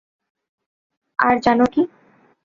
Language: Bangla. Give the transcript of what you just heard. আর জানো কী?